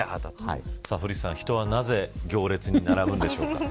古市さん、人はなぜ行列に並ぶんでしょうか。